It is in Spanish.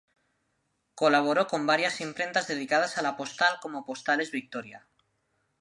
Colaboró con varias imprentas dedicadas a la postal como Postales Victoria.